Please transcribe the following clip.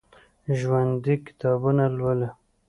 ژوندي کتابونه لولي